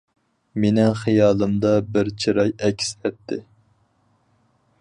مېنىڭ خىيالىمدا بىر چىراي ئەكس ئەتتى.